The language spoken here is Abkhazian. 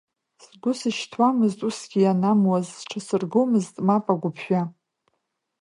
Сгәы сышьҭуамызт усгьы ианамуаз, сҽасыргомызт, мап, агәыԥжәа.